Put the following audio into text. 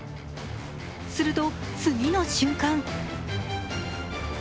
すると、次の瞬間。